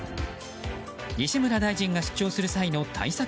西村大臣が出張する際の対策